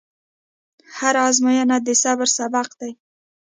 هره ازموینه د صبر سبق دی.